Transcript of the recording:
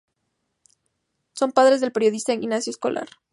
Son padres del periodista Ignacio Escolar.